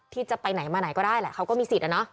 ที่จะไปไหนมาไหนก็ได้แหละเขาก็มีสิทธิ